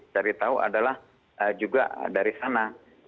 cari tahu adalah juga dari sana